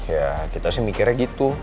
ya kita sih mikirnya gitu